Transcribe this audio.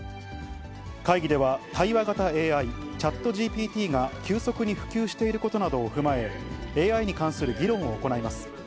会議では、対話型ＡＩ・チャットＧＰＴが急速に普及していることなどを踏まえ、ＡＩに関する議論を行います。